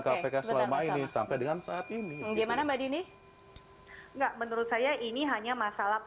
oke sebenarnya sama sampai dengan saat ini gimana mbak dini enggak menurut saya ini hanya masalah